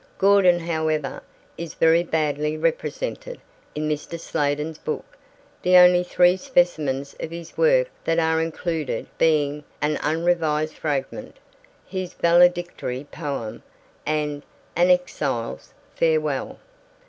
Gordon, however, is very badly represented in Mr. Sladen's book, the only three specimens of his work that are included being an unrevised fragment, his Valedictory Poem and An Exile's Farewell.